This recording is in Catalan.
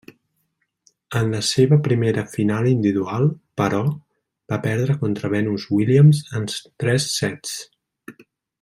En la seva primera final individual però, va perdre contra Venus Williams en tres sets.